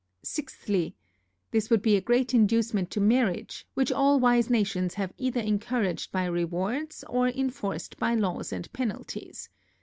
Sixthly, This would be a great inducement to marriage, which all wise nations have either encouraged by rewards, or enforced by laws and penalties.